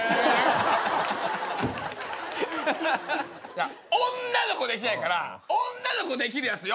いや女の子できないから女の子できるやつよ。